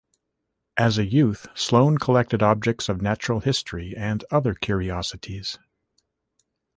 As a youth, Sloane collected objects of natural history and other curiosities.